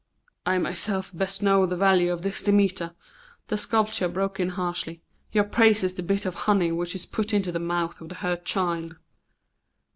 "I myself best know the value of this Demeter," the sculptor broke in harshly. "Your praise is the bit of honey which is put into the mouth of the hurt child."